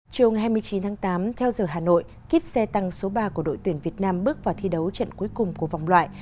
chiều ngày hai mươi chín tháng tám theo giờ hà nội kiếp xe tăng số ba của đội tuyển việt nam bước vào thi đấu trận cuối cùng của vòng loại